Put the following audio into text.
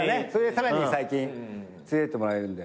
さらに最近連れてってもらえるんで。